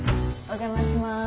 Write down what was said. お邪魔します。